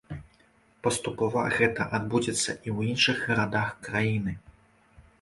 Паступова гэта адбудзецца і ў іншых гарадах краіны.